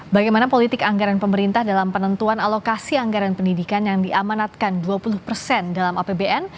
bagaimana politik anggaran pemerintah dalam penentuan alokasi anggaran pendidikan yang diamanatkan dua puluh persen dalam apbn